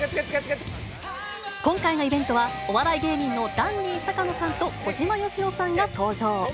今回のイベントは、お笑い芸人のダンディ坂野さんと小島よしおさんが登場。